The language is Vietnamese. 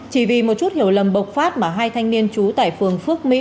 chỉ vì một chút hiểu lầm bộc phát mà hai thanh niên trú tại phường phước mỹ